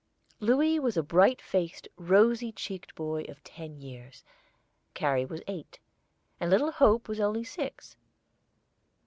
Louis was a bright faced, rosy cheeked boy of ten years, Carrie was eight, and little Hope was only six.